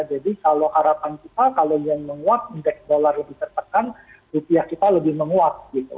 jadi kalau harapan kita kalau yang menguat indeks dollar lebih tertekan rupiah kita lebih menguat